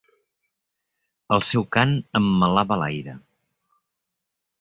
El seu cant emmelava l'aire.